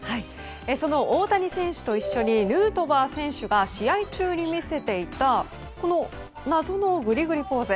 その大谷選手と一緒にヌートバー選手が試合中に見せていたこの謎のグリグリポーズ。